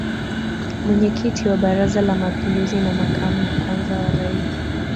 Mwenyekiti wa Baraza la mapinduzi na makamu wa kwanza wa Rais